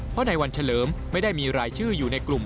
เพราะในวันเฉลิมไม่ได้มีรายชื่ออยู่ในกลุ่ม